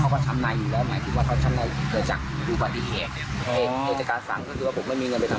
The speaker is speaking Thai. ผมรับขอบคุณคุณค่ะ